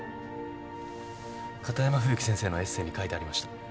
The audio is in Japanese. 片山冬樹先生のエッセーに書いてありました。